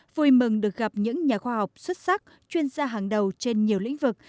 vui mừng được gặp những nhà khoa học xuất sắc chuyên gia hàng đầu trên nhiều lĩnh vực